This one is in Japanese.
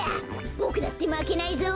ボクだってまけないぞ。